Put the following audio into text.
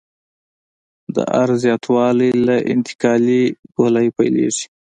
د عرض زیاتوالی له انتقالي ګولایي پیلیږي